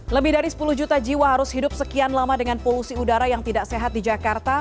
lebih dari sepuluh juta jiwa harus hidup sekian lama dengan polusi udara yang tidak sehat di jakarta